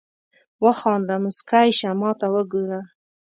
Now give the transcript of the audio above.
وخانده مسکی شه ماته وګوره